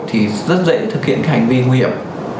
thì rất dễ thực hiện hành vi nguy hiểm